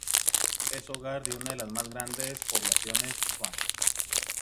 Es hogar de una de las más grandes poblaciones Zhuang